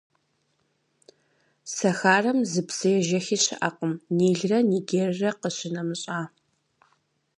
Сахарэм зы псыежэхи щыӏэкъым, Нилрэ Нигеррэ къищынэмыщӏа.